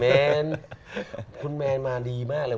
แมนคุณแมนมาดีมากเลย